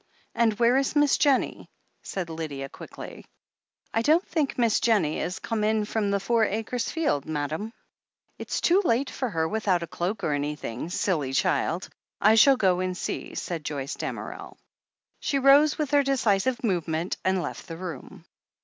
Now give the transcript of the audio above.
And where is Miss Jennie?" said Lydia quickly. I don't think Miss Jennie 'as come in from the Four Acres field, madam." "It's too late for her without a cloak or an3rthing, silly child! I shall go and see," said Joyce Damerel. She rose with her decisive movement, and left the room.